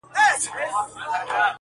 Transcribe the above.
چي خپلي سپيني او رڼې اوښـكي يې,